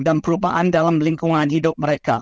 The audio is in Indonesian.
dan perubahan dalam lingkungan hidup mereka